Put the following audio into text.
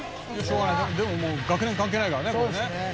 「でももう学年関係ないからねこれね」